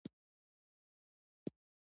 بلکې په بانکونو کې زېرمه کیږي.